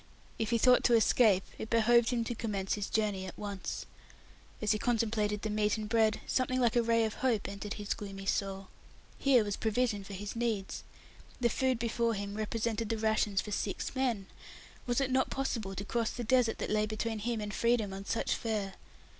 If he thought to escape, it behoved him to commence his journey at once. As he contemplated the meat and bread, something like a ray of hope entered his gloomy soul. Here was provision for his needs. The food before him represented the rations of six men. Was it not possible to cross the desert that lay between him and freedom on such fare?